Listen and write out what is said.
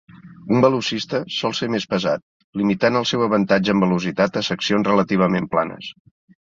Un velocista sol ser més pesat, limitant el seu avantatge en velocitat a seccions relativament planes.